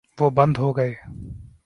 وہ بند ہو گئے۔